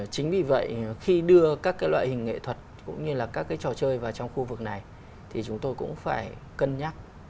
chính vì vậy khi đưa các cái loại hình nghệ thuật cũng như là các cái trò chơi vào trong khu vực này thì chúng tôi cũng phải cân nhắc